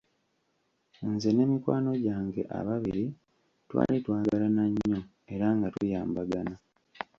Nze ne mikwano gyange ababiri twali twagalana nnyo era nga tuyambagana.